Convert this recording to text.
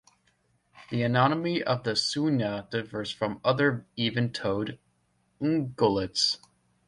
The anatomy of the Suina differs from other even-toed ungulates.